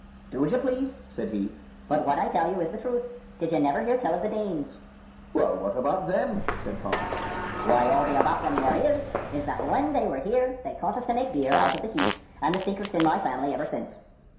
"Do as you please," said he, "but what I tell you is the truth. Did you never hear tell of the Danes?" "Well, what about them?" said Tom. "Why, all the about them there is, is that when they were here they taught us to make beer out of the heath, and the secret's in my family ever since."